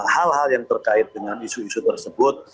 hal hal yang terkait dengan isu isu tersebut